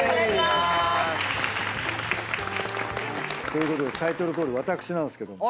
ということでタイトルコール私なんですけども。